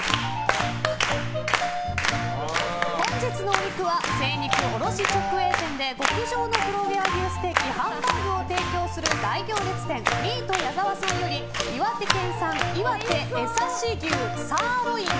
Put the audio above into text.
本日のお肉は、精肉卸直営店で極上の黒毛和牛ステーキ・ハンバーグを提供する大行列店ミート矢澤さんより岩手県産いわて江刺牛サーロイン。